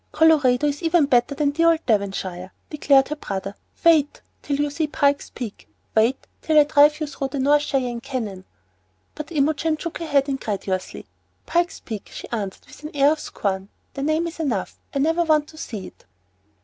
"Colorado is even better than 'dear old Devonshire,'" declared her brother; "wait till you see Pike's Peak. Wait till I drive you through the North Cheyenne Canyon." But Imogen shook her head incredulously. "Pike's Peak!" she answered, with an air of scorn. "The name is enough; I never want to see it."